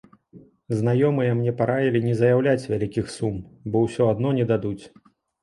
Знаёмыя мне параілі не заяўляць вялікіх сум, бо ўсё адно не дадуць.